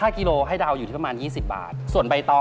กิโลให้เดาอยู่ที่ประมาณ๒๐บาทส่วนใบตอง